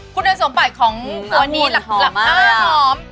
คุณน้องสมบัติของคุณนี่หลากหอม